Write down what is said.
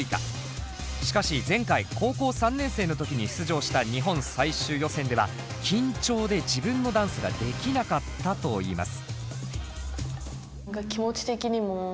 しかし前回高校３年生の時に出場した日本最終予選では緊張で自分のダンスができなかったといいます。